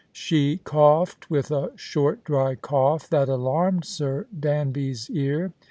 She coughed with a short dry cough that alarmed j\lr. Danby's ear.